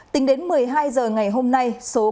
tính đến một mươi hai h ngày hôm nay